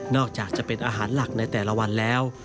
อกจากจะเป็นอาหารหลักในแต่ละวันแล้ว